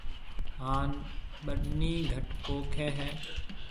ھان ٻنِي گھٽ پوکيَ ھيََََ